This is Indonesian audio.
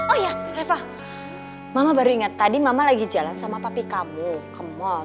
oh iya eva mama baru ingat tadi mama lagi jalan sama papa kamu ke mall